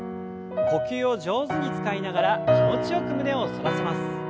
呼吸を上手に使いながら気持ちよく胸を反らせます。